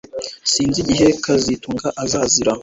Sinzi igihe kazitunga azazira